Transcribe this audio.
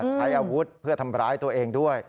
ใช้อาวุธเพื่อทำร้ายตัวเองด้วย